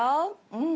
うん。